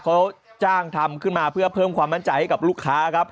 เขาจ้างทำขึ้นมาเพื่อเพิ่มความมั่นใจให้กับลูกค้าครับ